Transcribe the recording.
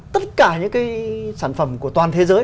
tất cả những cái sản phẩm của toàn thế giới